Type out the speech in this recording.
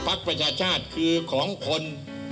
ประชาชาติคือของคน